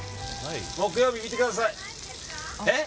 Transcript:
木曜日、見てください。